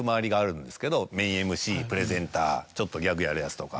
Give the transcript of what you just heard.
メインＭＣプレゼンターちょっとギャグやるヤツとか。